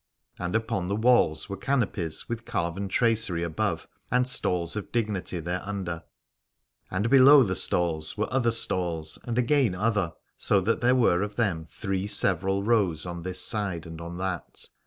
And upon the walls were canopies with carven tracery above, and stalls of dignity thereunder : and below the stalls were other stalls and again other, so that there were of them three several rows on this side and on that.